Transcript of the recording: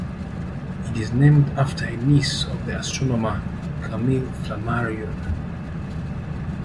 It is named after a niece of the astronomer Camille Flammarion.